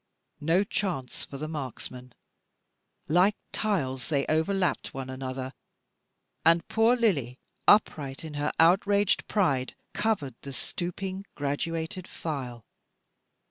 No chance for the marksman; like tiles they overlapped one another, and poor Lily, upright in her outraged pride, covered the stooping graduated file.